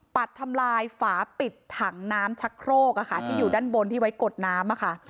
ทำลายฝาปิดถังน้ำชักโครกที่อยู่ด้านบนที่ไว้กดน้ำค่ะ